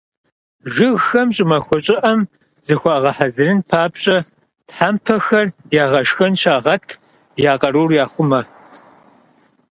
Жыгхэм щӏымахуэ щӏыӏэм зыхуагъэхьэзырын папщӏэ, тхьэпмэхэр «ягъэшхэн» щагъэт, я къарур яхъумэ.